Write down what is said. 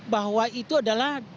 bahwa itu adalah